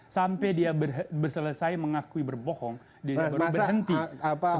sampai dia selesai mengakui berbohong dia berhenti sebagai tim sukses